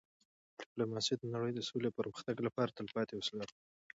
ډيپلوماسي د نړی د سولې او پرمختګ لپاره تلپاتې وسیله ده.